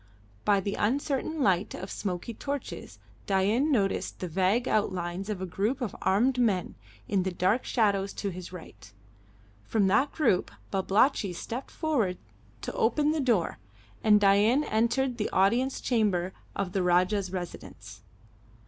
By the uncertain light of smoky torches, Dain noticed the vague outlines of a group of armed men in the dark shadows to his right. From that group Babalatchi stepped forward to open the door, and Dain entered the audience chamber of the Rajah's residence.